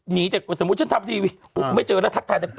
หนีจากสมมุติฉันทำทีวีไม่เจอแล้วทักทายแต่